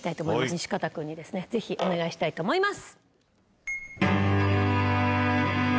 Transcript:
西方君にぜひお願いしたいと思います。